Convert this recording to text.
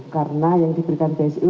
karena yang diberikan bsu